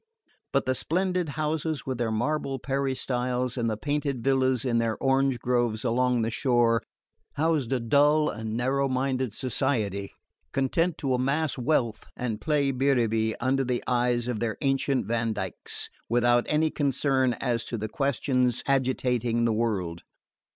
But the splendid houses with their marble peristyles, and the painted villas in their orange groves along the shore, housed a dull and narrow minded society, content to amass wealth and play biribi under the eyes of their ancestral Vandykes, without any concern as to the questions agitating the world.